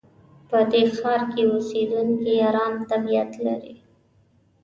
په دې ښار کې اوسېدونکي ارام طبیعت لري.